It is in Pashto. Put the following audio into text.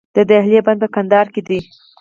د دهلې بند په کندهار کې دی